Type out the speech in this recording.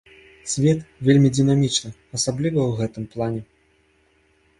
Свет вельмі дынамічны, асабліва ў гэтым плане.